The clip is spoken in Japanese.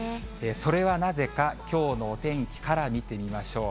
それはなぜか、きょうのお天気から見てみましょう。